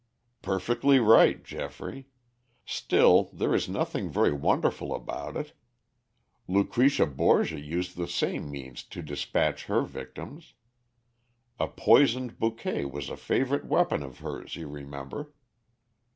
"Perfectly right, Geoffrey. Still, there is nothing very wonderful about it. Lucretia Borgia used the same means to despatch her victims. A poisoned bouquet was a favorite weapon of hers, you remember."